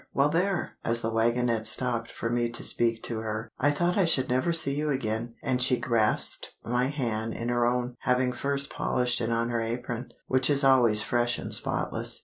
Well there!" as the wagonette stopped for me to speak to her. "I thought I should never see you again"—and she grasped my hand in her own, having first polished it on her apron, which is always fresh and spotless.